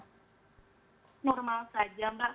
normal saja mbak